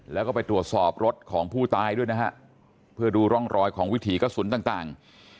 แล้วก็ไปตรวจสอบรถของผู้ตายด้วยนะฮะเพื่อดูร่องรอยของวิถีกระสุนต่าง